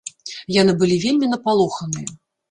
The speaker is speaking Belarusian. Яны былі вельмі напалоханыя.